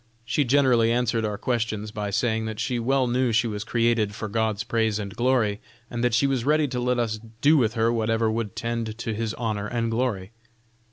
She generally answered our questions by saying that she well knew she was created for Gods praise and glory, and that she was ready to let us do with her whatever would tend to His honor and glory."